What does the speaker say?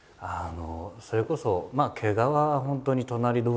それこそケガは本当に隣同士で。